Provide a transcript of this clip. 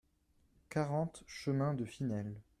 quarante chemin de Finelle